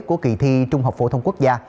của kỳ thi trung học phổ thông quốc gia